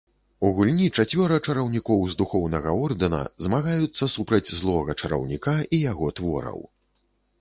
У гульні чацвёра чараўнікоў з духоўнага ордэна змагаюцца супраць злога чараўніка і яго твораў.